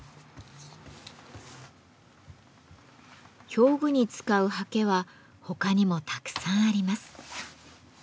表具に使う刷毛は他にもたくさんあります。